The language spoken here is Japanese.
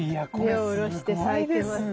根を下ろして咲いてますね。